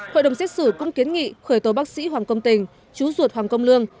hội đồng xét xử cũng kiến nghị khởi tố bác sĩ hoàng công tình chú ruột hoàng công lương